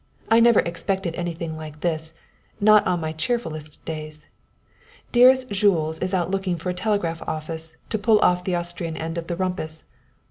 I never expected anything like this not on my cheerfulest days. Dearest Jules is out looking for a telegraph office to pull off the Austrian end of the rumpus.